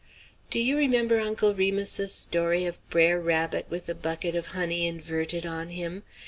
Do you remember Uncle Remus's story of Brer Rabbit with the bucket of honey inverted on him?